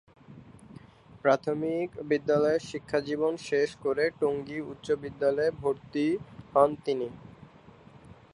প্রাথমিক বিদ্যালয়ের শিক্ষাজীবন শেষ করে টঙ্গী উচ্চ বিদ্যালয়ে ভর্তি হন তিনি।